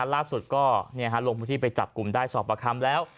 ล่าสุดก็ลงพื้นที่ไปจับกลุ่มได้สอบประคำแล้ว